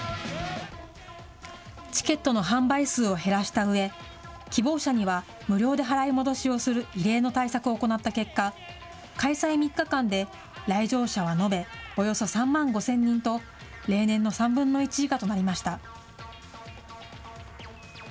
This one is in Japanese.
チケットの販売数を減らしたうえ、希望者には無料で払い戻しをする異例の対策を行った結果、開催３日間で来場者は延べおよそ３万５０００人と、例年の３分の１以下となりました。